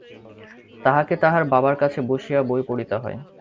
তাহাকে তাহার বাবার কাছে বসিয়া বই পড়িতে হয়।